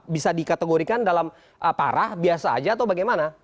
bisa dikategorikan dalam parah biasa aja atau bagaimana